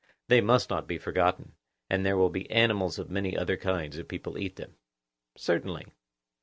They must not be forgotten: and there will be animals of many other kinds, if people eat them. Certainly.